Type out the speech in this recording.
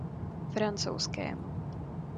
Francouzskému.